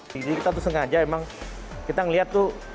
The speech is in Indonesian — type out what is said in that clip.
jadi kita tuh sengaja emang kita ngeliat tuh